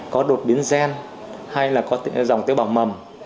có đột biến gen hay là có dòng tế bào mầm